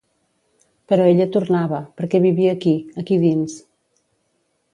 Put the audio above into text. Però ella tornava, perquè vivia aquí, aquí dins.